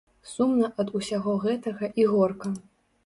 Сумна ад усяго гэтага і горка.